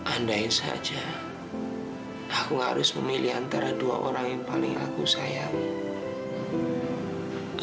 andai saja aku harus memilih antara dua orang yang paling aku sayang